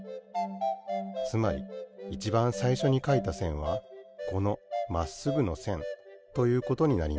つまりいちばんさいしょにかいたせんはこのまっすぐのせんということになります。